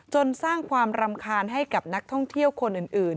สร้างความรำคาญให้กับนักท่องเที่ยวคนอื่น